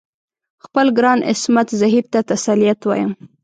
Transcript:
خپل ګران عصمت زهیر ته تسلیت وایم.